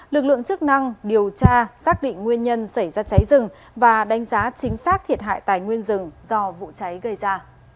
lực lượng chức năng điều tra xác định nguyên nhân xảy ra cháy rừng và đánh giá chính xác thiệt hại tài nguyên rừng do vụ cháy gây ra